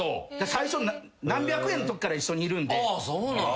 最初何百円のときから一緒にいるんで。